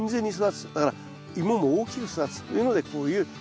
だからイモも大きく育つというのでこういう高畝を作ってますね。